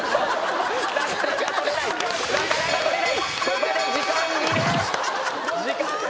ここで時間切れ！